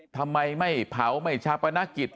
ทำไมไม่เผาไม่ชาปนกิจ